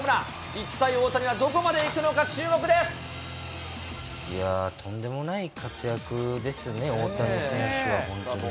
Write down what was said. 一体大谷はどこまで行くのか、とんでもない活躍ですね、大谷選手は、本当に。